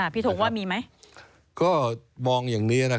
ภิทธกรรมว่ามีไหม